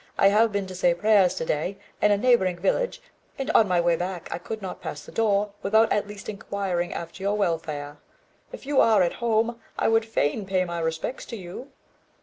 I have been to say prayers to day in a neighbouring village, and on my way back I could not pass the door without at least inquiring after your welfare. If you are at home, I would fain pay my respects to you."